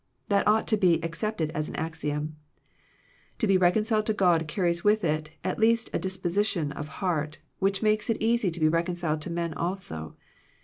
That ought to be accepted as an axiom. To be reconciled to God carries with it at least a disposition of heart, which makes it easy to be reconciled to men also.